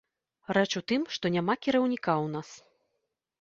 Рэч у тым, што няма кіраўніка ў нас.